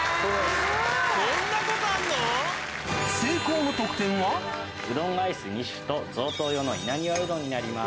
こんなことあんの⁉成功のうどんアイス２種と贈答用の稲庭うどんになります。